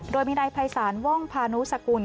โดยมีนายภัยศาลว่องพานุสกุล